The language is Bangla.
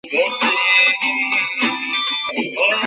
একে একে ঘর খালি হইল, রামচন্দ্র রায় বিরাম পাইলেন।